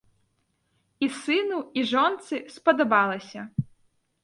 І сыну, і жонцы спадабалася!